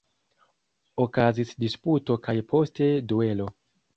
Okazis disputo kaj poste duelo.